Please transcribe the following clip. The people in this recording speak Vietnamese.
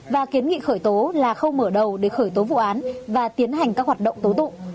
và kiến nghị khởi tố là khâu mở đầu để khởi tố vụ án và tiến hành các hoạt động tố tụ